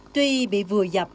tuy bị vừa dập